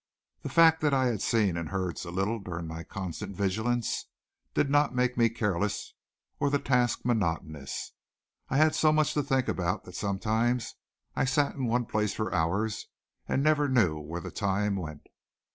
The fact that I had seen and heard so little during my constant vigilance did not make me careless or the task monotonous. I had so much to think about that sometimes I sat in one place for hours and never knew where the time went.